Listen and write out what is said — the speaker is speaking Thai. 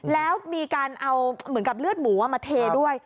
แล้วมีการเอาเหมือนกับเลือดหมูมาเทด้วย